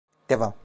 Devam.